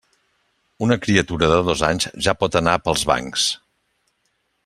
Una criatura de dos anys, ja pot anar pels bancs.